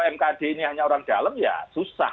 mkd ini hanya orang dalam ya susah